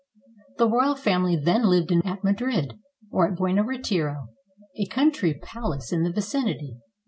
The royal family then lived at Madrid, or at Buen retiro, a country palace in the vicinity.